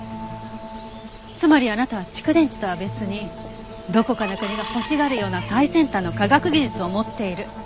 つまりあなたは蓄電池とは別にどこかの国が欲しがるような最先端の科学技術を持っている。